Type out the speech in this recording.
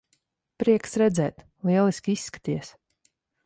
Prieks redzēt. Lieliski izskaties.